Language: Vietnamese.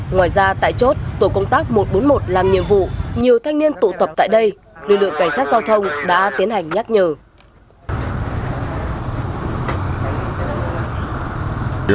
ngoài ra tại chốt tổ công tác một trăm bốn mươi một làm nhiệm vụ nhiều thanh niên tụ tập tại đây lực lượng cảnh sát giao thông đã tiến hành nhắc nhở